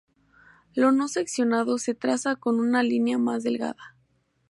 Lo no seccionado se traza con una línea más delgada.